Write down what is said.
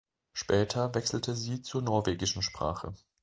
Später wechselte sie zur norwegischen Sprache.